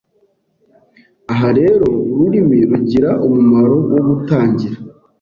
Aha rero ururimi rugira umumaro wo gutangira